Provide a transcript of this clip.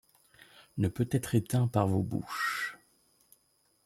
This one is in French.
Ne peut être éteint par vos bouches